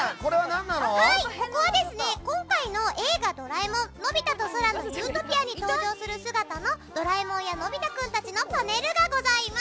これは今回の「映画ドラえもんのび太と空の理想郷」に登場する姿のドラえもんや、のび太君たちのパネルがあります。